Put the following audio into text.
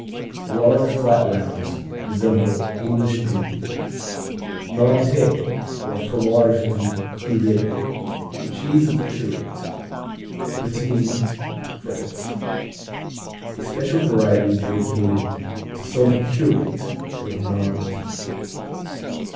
The large flat rounds resemble English Derby. Nantais, or Fromage du Curé, Cheese of the Curate Brittany, France A special variety dedicated to some curate of Nantes.